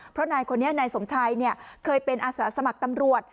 เพราะนายคนนี้นายสมชัยเคยเป็นอาสาสมัครตำรวจ